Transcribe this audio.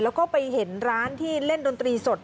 แล้วก็ไปเห็นร้านที่เล่นดนตรีสด